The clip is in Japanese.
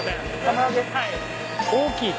はい。